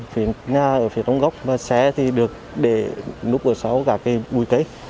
phía nhà ở phía trong góc và xe thì được để núp ở sau cả cây bùi cây